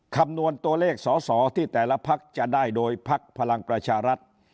คำนวณตัวเลขสำหรับที่แต่ละภักร์จะได้โดยภักร์พลังประชารัฐ